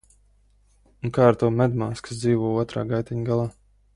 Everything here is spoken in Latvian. Un kā ar to medmāsu, kas dzīvo otrā gaiteņa galā?